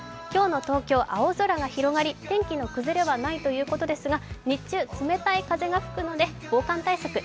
今日の東京、青空が広がり、天気の崩れはないということですが、日中、冷たい風が吹くので防寒対策